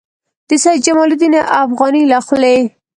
د سید جمال الدین افغاني له خولې.